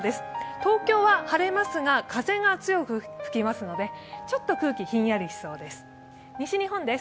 東京は晴れますが、風が強く吹きますのでちょっと空気、ひんやりしそうです西日本です。